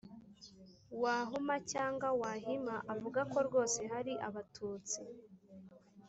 Wahuma cyangwa Wahima Avuga ko rwose hari Abatutsi